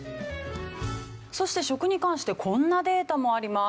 そして食に関してこんなデータもあります。